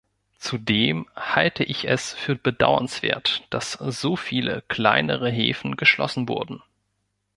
Zudem halte ich es für bedauernswert, dass so viele kleinere Häfen geschlossen wurden.